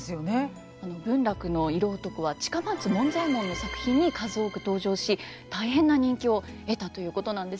文楽の色男は近松門左衛門の作品に数多く登場し大変な人気を得たということなんですよね。